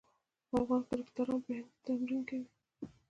افغان کرکټران په هند کې تمرین کوي.